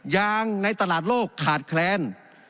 ยางในตลาดโลกขาดแคลน